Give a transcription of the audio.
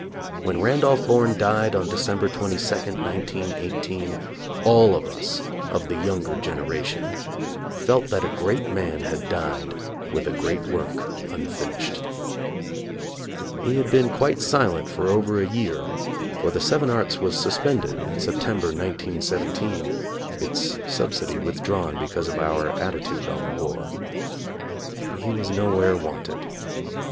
'When Randolph Bourne died on December 22, 1918, all of us of the "younger gen eration" felt that a great man had died with a great work unfinished^ He had been quite silent for over a year, for The Seven Arts was suspended in September, 191 7 j i ts subsidy withdrawn because of our atti tude on the war. He was nowhere wanted.